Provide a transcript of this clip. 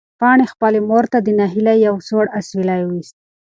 پاڼې خپلې مور ته د ناهیلۍ یو سوړ اسوېلی وویست.